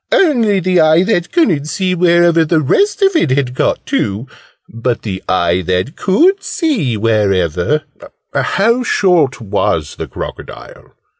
"Only the eye that couldn't see wherever the rest of it had got to. But the eye that could see wherever " "How short was the crocodile?"